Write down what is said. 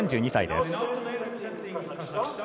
３２歳です。